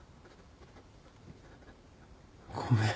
ごめん。